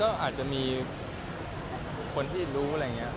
ก็มันก็อาจจะมีคนที่รู้